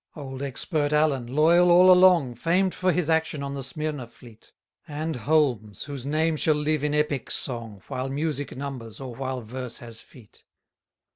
172 Old expert Allen, loyal all along, Famed for his action on the Smyrna fleet: And Holmes, whose name shall live in epic song, While music numbers, or while verse has feet.